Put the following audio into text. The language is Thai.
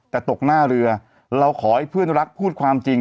แต่ตกหน้าเรือเราขอให้เพื่อนรักพูดความจริง